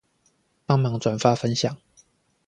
幫忙轉發分享